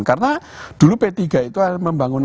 karena dulu p tiga itu membangun